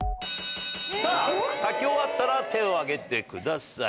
さぁ書き終わったら手を挙げてください。